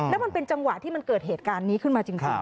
แล้วมันเป็นจังหวะที่มันเกิดเหตุการณ์นี้ขึ้นมาจริง